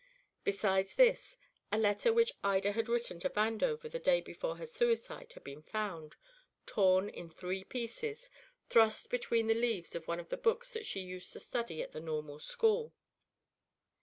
Besides this, a letter which Ida had written to Vandover the day before her suicide had been found, torn in three pieces, thrust between the leaves of one of the books that she used to study at the normal school.